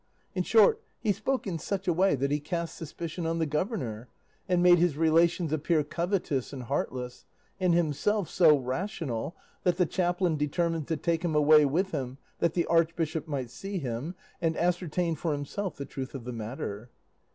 In short, he spoke in such a way that he cast suspicion on the governor, and made his relations appear covetous and heartless, and himself so rational that the chaplain determined to take him away with him that the Archbishop might see him, and ascertain for himself the truth of the matter.